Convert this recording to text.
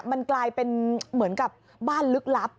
มันกลายเป็นเหมือนกับบ้านลึกลับ